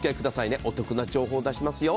お得な情報、お出ししますよ。